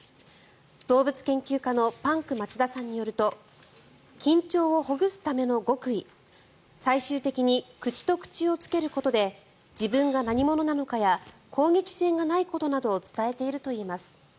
動物研究家のパンク町田さんによると緊張をほぐすための極意最終的に口と口をつけることで自分が何者なのかや攻撃性がないことなどを伝えているといいます。